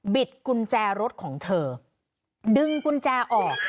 กุญแจรถของเธอดึงกุญแจออก